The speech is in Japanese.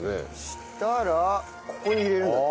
そしたらここに入れるんだ。